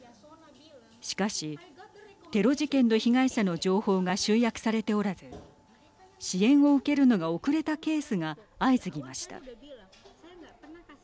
しかしテロ事件の被害者の情報が集約されておらず支援を受けるのが遅れたケースが相次ぎました。